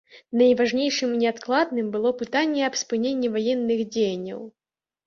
Найважнейшым і неадкладным было пытанне аб спыненні ваенных дзеянняў.